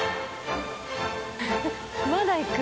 まだいく？